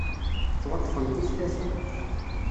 Ttwaṭṭfent i tlata.